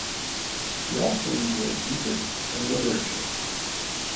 He also enjoyed music and literature.